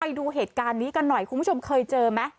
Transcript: ไปดูเหตุการณ์นี้กันหน่อยคุณผู้ชมเคยเจอไหม